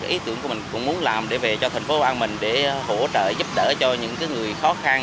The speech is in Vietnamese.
ý tưởng của mình cũng muốn làm để về cho thành phố hội an mình để hỗ trợ giúp đỡ cho những người khó khăn